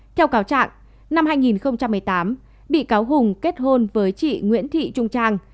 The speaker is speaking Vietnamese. theo cáo trạng năm hai nghìn một mươi tám bị cáo hùng kết hôn với chị nguyễn thị trung trang